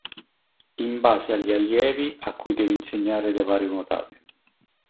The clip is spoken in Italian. In base agli allievi a cui deve insegnare le varie nuotate.